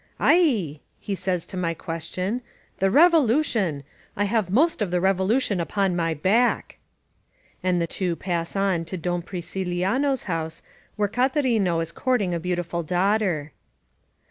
^ "Aie!" he says to my question. "The Revolution! I have most of the Revolution upon my backi" And the two pass on to Don Friciliano's house, where Catarino is courting a beautiful daughter.